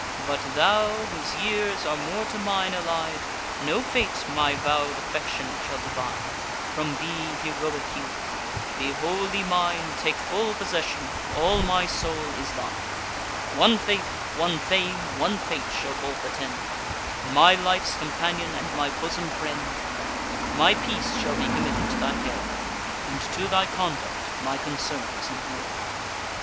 But thou, whose years are more to mine allied, No fate my vow'd affection shall divide From thee, heroic youth! Be wholly mine; Take full possession; all my soul is thine. One faith, one fame, one fate, shall both attend; My life's companion, and my bosom friend: My peace shall be committed to thy care, And to thy conduct my concerns in war."